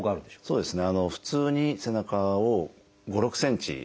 そうですね。